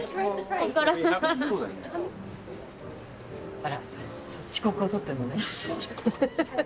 あら遅刻を撮ってるのね。